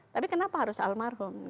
tapi kenapa harus almarhum